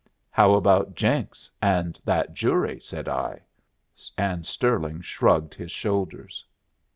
"How about Jenks and that jury?" said I. And Stirling shrugged his shoulders.